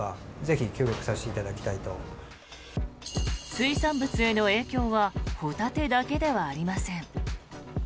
水産物への影響はホタテだけではありません。